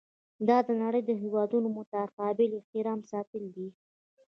دا د نړۍ د هیوادونو متقابل احترام ساتل دي.